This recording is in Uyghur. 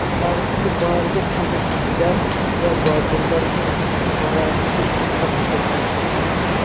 تارىختىكى بارلىق ئۇلۇغ كىشىلەر ۋە باتۇرلارنىڭ تارازىسى شۇنداق كەلگەن.